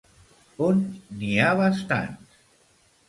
On n'hi ha bastants?